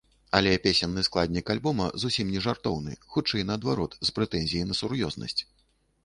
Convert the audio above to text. Але песенны складнік альбома зусім не жартоўны, хутчэй наадварот, з прэтэнзіяй на сур'ёзнасць.